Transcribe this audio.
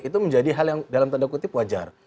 itu menjadi hal yang dalam tanda kutip wajar